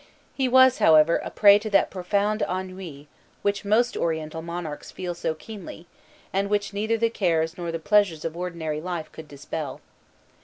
He was, however, a prey to that profound ennui which most Oriental monarchs feel so keenly, and which neither the cares nor the pleasures of ordinary life could dispel.